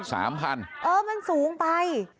เออมันสูงไป